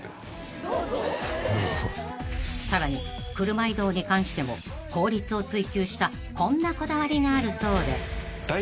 ［さらに車移動に関しても効率を追求したこんなこだわりがあるそうで］